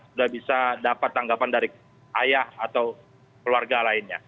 sudah bisa dapat tanggapan dari ayah atau keluarga lainnya